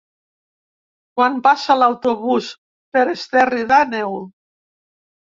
Quan passa l'autobús per Esterri d'Àneu?